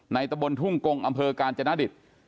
ในตะบลทุ่งกงอำเภอการจรรย์นาฏิษฐ์